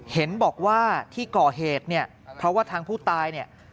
เห็นบอกว่าที่ก่อเหตุเนี่ยเพราะว่าทางผู้ตายเนี่ย